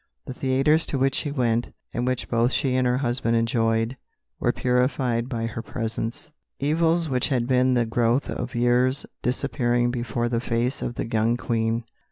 The theatres to which she went, and which both she and her husband enjoyed, were purified by her presence; evils which had been the growth of years disappearing before the face of the young Queen."